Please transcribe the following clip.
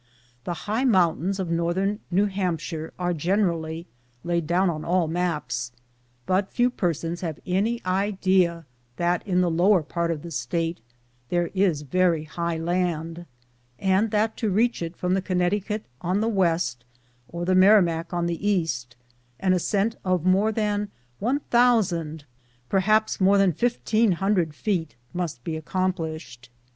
The high mountains of Northern New Hampshire are gen erally laid down on all maps, but few persons have any idea that in the lower part of the State there is very high land, and that to reach it from the Connecticut on the west, or the Merrimac on the east, an ascent of more than iooo, perhaps more than 1500 feet, must be accomplished.